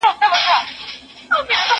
زه پرون د سبا لپاره د ليکلو تمرين کوم!.